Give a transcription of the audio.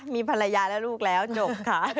มีภรรยาและลูกแล้วจบค่ะ